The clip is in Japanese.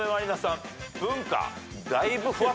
「文化」？